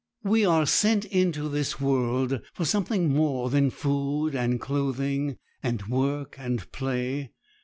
We are sent into this world for something more than food and clothing, and work and play.